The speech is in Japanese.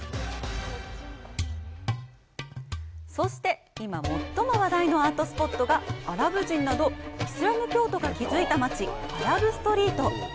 そして、今、最も話題のアートスポットが、アラブ人などイスラム教徒が築いた街・アラブストリート。